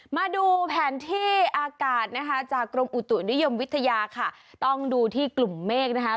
มาดูแผนที่อากาศนะคะจากกรมอุตุนิยมวิทยาค่ะต้องดูที่กลุ่มเมฆนะคะ